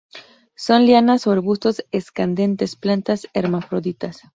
Son lianas o arbustos escandentes; plantas hermafroditas.